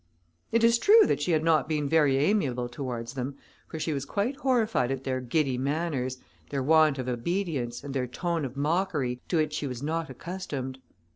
It is true that she had not been very amiable towards them, for she was quite horrified at their giddy manners, their want of obedience, and their tone of mockery, to which she was not accustomed.